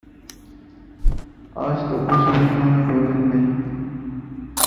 آج تو کچھ بھی کھانے کو دل نہیں